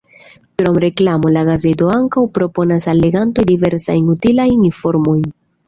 Krom reklamo, la gazeto ankaŭ proponas al legantoj diversajn utilajn informojn.